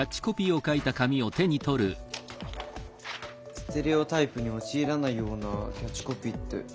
ステレオタイプに陥らないようなキャッチコピーって何だろう？